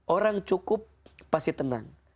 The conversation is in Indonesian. orang cukup pasti tenang